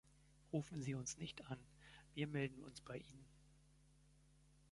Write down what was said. Rufen Sie uns nicht an, wir melden uns bei Ihnen!